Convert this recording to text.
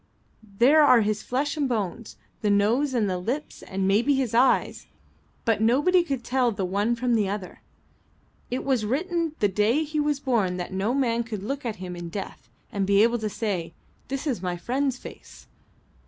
There are his flesh and his bones, the nose, and the lips, and maybe his eyes, but nobody could tell the one from the other. It was written the day he was born that no man could look at him in death and be able to say, 'This is my friend's face.'"